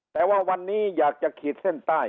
แต่ว่าวันนี้อยากจะขีดเส้นใต้